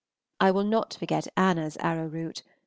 I will not forget Anna's arrowroot.